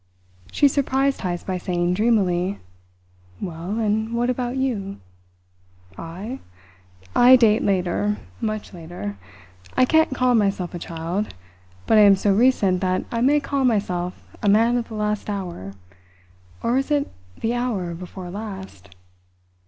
She surprised Heyst by saying dreamily: "Well and what about you?" "I? I date later much later. I can't call myself a child, but I am so recent that I may call myself a man of the last hour or is it the hour before last?